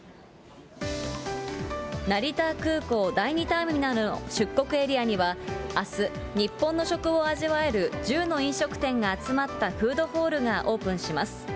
成田空港第２ターミナルの出国エリアには、あす、日本の食を味わえる１０の飲食店が集まったフードホールがオープンします。